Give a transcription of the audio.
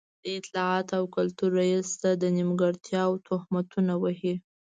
د اطلاعاتو او کلتور رئيس ته د نیمګړتيا تهمتونه وهي.